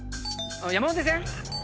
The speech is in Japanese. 山手線。